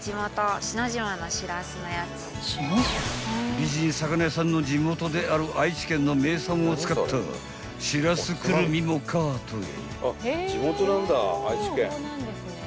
［美人魚屋さんの地元である愛知県の名産を使ったしらすくるみもカートへ］